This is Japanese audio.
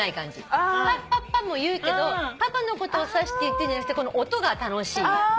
パッパッパも言うけどパパのことを指して言ってんじゃなくて音が楽しい。